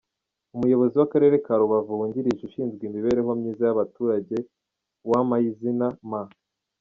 Umuyobozi w’Akarere ka Rubavu wungirije ushinzwe imibereho myiza y’abaturage, Uwampayizina M.